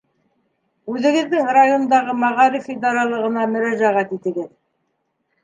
Үҙегеҙҙең райондағы мәғариф идаралығына мөрәжәғәт итегеҙ.